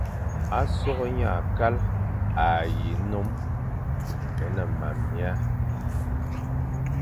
A soghé nye akal a yi non é mam mia,